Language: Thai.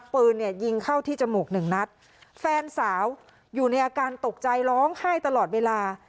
ปืนเนี่ยยิงเข้าที่จมูกหนึ่งนัดแฟนสาวอยู่ในอาการตกใจร้องไห้ตลอดเวลา